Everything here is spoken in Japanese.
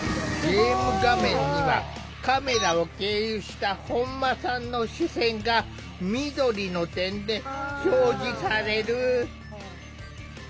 ゲーム画面にはカメラを経由した本間さんの視線が緑の点で表示される。